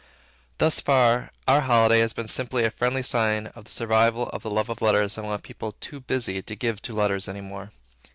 Thus far, our holiday has been simply a friendly sign of the survival of the love of letters amongst a people too busy to give to letters any more.